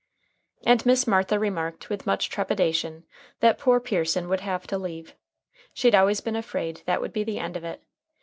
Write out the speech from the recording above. And Miss Martha remarked with much trepidation that poor Pearson would have to leave. She'd always been afraid that would be the end of it.